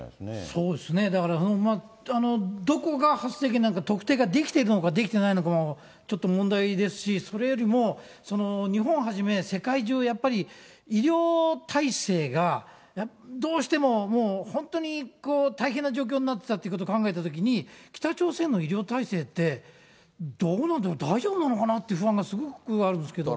そうですね、だからどこが発生源なのか、特定ができているのか、できてないのかもちょっと問題ですし、それよりも日本をはじめ、世界中やっぱり医療体制がどうしてももう、本当に大変な状況になってたっていうことを考えたときに、北朝鮮の医療体制ってどうなの、大丈夫なのかなっていう不安がすごくあるんですけど。